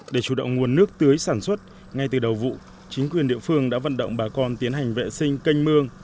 để chủ động nguồn nước tưới sản xuất ngay từ đầu vụ chính quyền địa phương đã vận động bà con tiến hành vệ sinh canh mương